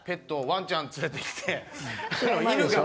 ワンちゃん連れてきて犬が。